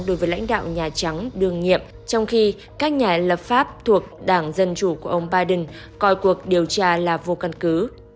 đối với lãnh đạo nhà trắng đường nhiệm trong khi các nhà lập pháp thuộc đảng dân chủ của ông biden coi cuộc điều tra là vô căn cứ